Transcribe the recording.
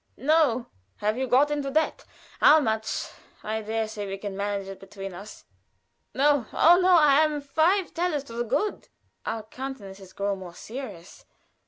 "No." "Have you got into debt? How much? I dare say we can manage it between us." "No oh, no! I am five thalers to the good." Our countenances grow more serious.